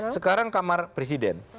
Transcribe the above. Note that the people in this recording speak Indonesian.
sekarang kamar presiden